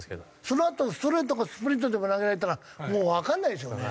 そのあとストレートとかスプリットとか投げられたらもうわかんないでしょうね。